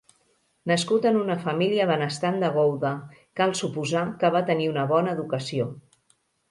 Nascut en una família benestant de Gouda, cal suposar que va tenir una bona educació.